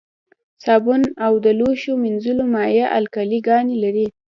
صابون او د لوښو مینځلو مایع القلي ګانې لري.